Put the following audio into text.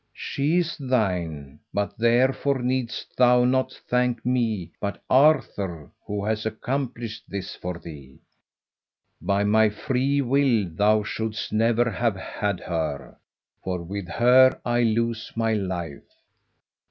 "She is thine, but therefore needst thou not thank me, but Arthur who hath accomplished this for thee. By my free will thou shouldst never have had her, for with her I lose my life."